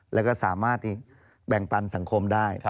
แล้วก็สามารถแบ่งปันสังคมได้